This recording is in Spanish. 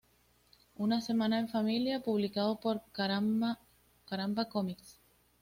Una semana en familia" publicado por Caramba Cómics.